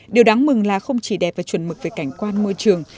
điều đáng mừng là không chỉ đẹp và chuẩn mực về cảnh quan môi trường